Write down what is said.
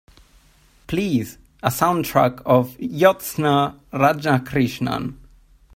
please, a sound track of Jyotsna Radhakrishnan